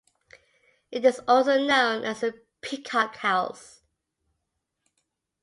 It is also known as the Peacock House.